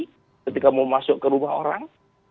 ketika mau masuk ke rumah orang